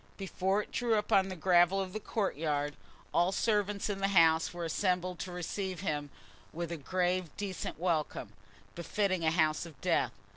Before it drew up on the gravel of the courtyard, all the servants in the house were assembled to receive him with a grave, decent welcome, befitting a house of death.